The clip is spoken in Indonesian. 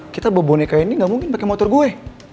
kita bawa boneka ini gak mungkin pakai motor gue